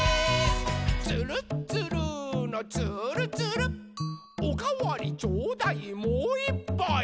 「つるっつるーのつーるつる」「おかわりちょうだいもういっぱい！」